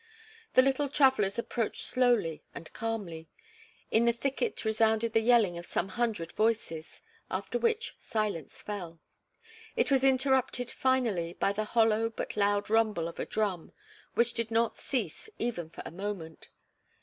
The little travelers approached slowly and calmly. In the thicket resounded the yelling of some hundred voices, after which silence fell. It was interrupted finally by the hollow but loud rumble of a drum, which did not cease even for a moment.